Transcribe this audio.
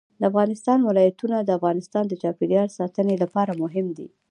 د افغانستان ولايتونه د افغانستان د چاپیریال ساتنې لپاره مهم دي.